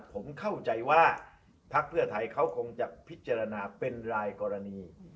ผมเข้าใจว่าพักเพื่อไทยเขาคงจะพิจารณาเป็นรายกรณี